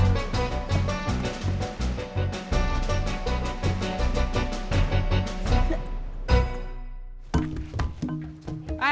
eh sedawat seger